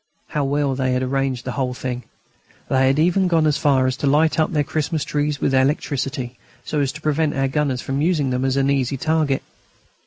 How well they had arranged the whole thing! They had even gone as far as to light up their Christmas trees with electricity, so as to prevent our gunners from using them as an easy target.